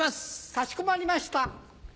かしこまりました。